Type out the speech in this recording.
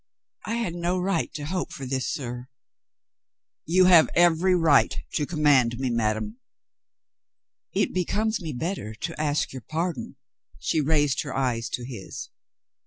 "I had no right to hope for this, sir." "You have ever the right to command me, ma dame." "It becomes me better to ask your pardon." She raised her eyes to his.